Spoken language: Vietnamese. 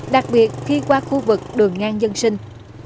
đặc biệt khi qua khu vực đường ngang dân sinh